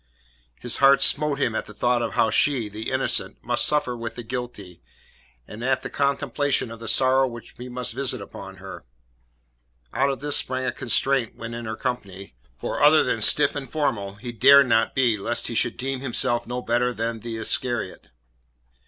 His heart smote him at the thought of how she the innocent must suffer with the guilty, and at the contemplation of the sorrow which he must visit upon her. Out of this sprang a constraint when in her company, for other than stiff and formal he dared not be lest he should deem himself no better than the Iscariot.